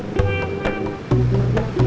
sampai jumpa lagi